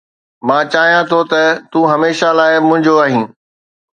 مان چاهيان ٿو ته تون هميشه لاءِ منهنجو آهين.